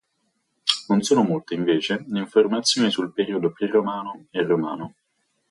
Non sono molte invece, le informazioni sul periodo pre-romano e romano.